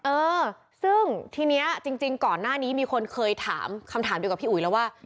เออซึ่งทีนี้จริงก่อนหน้านี้มีคนเคยถามคำถามเดียวกับพี่อุ๋ยแล้วว่า